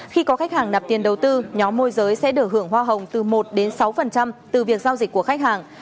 khi có khách hàng nạp tiền đầu tư nhóm môi giới sẽ được hưởng hoa hồng từ một đến sáu từ việc giao dịch của khách hàng